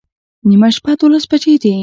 نیمه شپه دوولس بجې دي